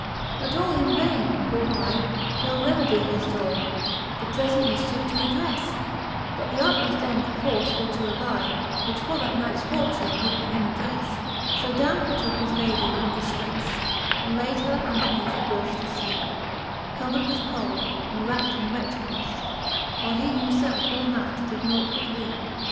XLIV. But all in vaine; for why, no remedy He law, the prefent mifchiefe to redrefle^ But th'utmoft end perforce for to aby, Which that nights fortune would for him addrefle. So downe he tooke his Lady in diftrefle, And layd her underneath a bufh to fleepe, G)ver'd with cold, and wrapt in wretchednefle, Whiles he him felfe all night did nought but weepe.